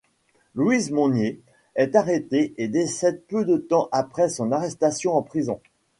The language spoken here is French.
Louise Monnier est arrêtée et décède peu de temps après son arrestation en prison.